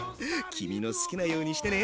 君の好きなようにしてね。